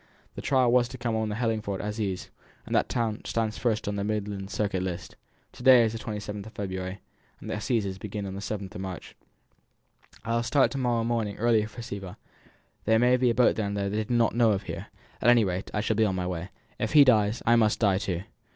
The trial was to come on at the Hellingford Assizes, and that town stands first on the Midland Circuit list. To day is the 27th of February; the assizes begin on the 7th of March." "I will start to morrow morning early for Civita; there may be a boat there they do not know of here. At any rate, I shall be on my way. If he dies, I must die too.